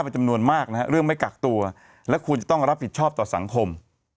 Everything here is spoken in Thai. เป็นจำนวนมากนะฮะเรื่องไม่กักตัวและควรจะต้องรับผิดชอบต่อสังคม